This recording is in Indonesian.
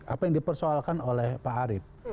apa yang dipersoalkan oleh pak arief